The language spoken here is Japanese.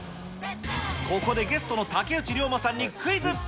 ここでゲストの竹内涼真さんにクイズ。